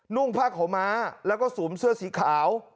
่งผ้าขาวม้าแล้วก็สวมเสื้อสีขาว